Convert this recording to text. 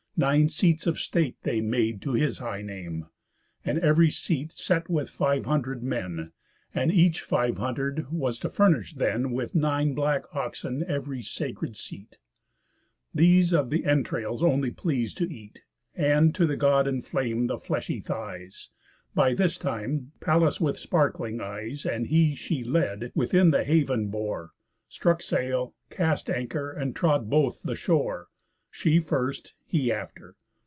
Nine seats of state they made to his high name; And ev'ry seat set with five hundred men, And each five hundred was to furnish then With nine black oxen ev'ry sacred seat. These of the entrails only pleas'd to eat, And to the God enflam'd the fleshy thighs. By this time Pallas with the sparkling eyes, And he she led, within the haven bore, Struck sail, cast anchor, and trod both the shore, She first, he after.